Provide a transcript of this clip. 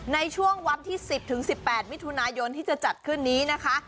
ในช่วงวันที่๑๐๑๘มิถุนายนที่จะจัดขึ้นนี้นะคะ